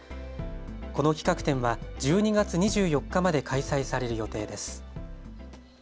この企画展は１２月２４日まで開催される予定です。